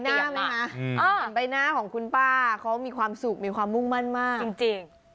เห็นใบหน้าของคุณป้าเขามีความสุขมีความมุ่งมั่นมากจริง